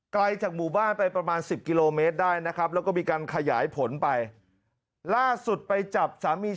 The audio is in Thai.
กายจากหมู่บ้านไปประมาณ๑๐กิโลเมตรได้นะครับ